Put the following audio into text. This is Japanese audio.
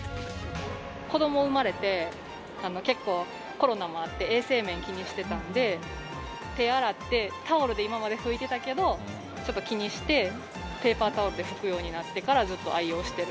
子ども生まれて、結構コロナもあって衛生面気にしてたんで、手洗って、タオルで今まで拭いてたけど、ちょっと気にして、ペーパータオルで拭くようになってからずっと愛用してる。